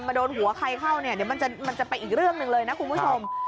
มาโดนหัวใครเข้ามันจะไปอีกเรื่องหนึ่งเลยนะคุณผู้ชม